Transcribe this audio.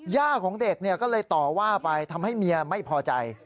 ของเด็กก็เลยต่อว่าไปทำให้เมียไม่พอใจ